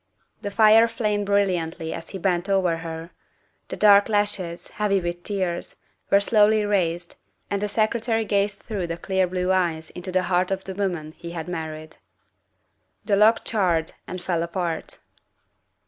The fire flamed brilliantly as he bent over her. The dark lashes, heavy with tears, were slowly raised, and the Secretary gazed through the clear blue eyes into the heart of the woman he had married. The log charred and fell apart.